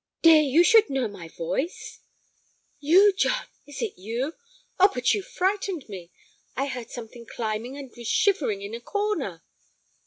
"Dear, you should know my voice." "You, John! is it you? Oh, but you frightened me! I heard something climbing, and was shivering in a corner."